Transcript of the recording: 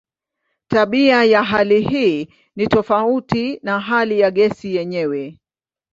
Tabia ya hali hii ni tofauti na hali ya gesi yenyewe.